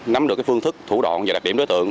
nắm được cái phương thức thủ đoạn và đặt điểm đối tượng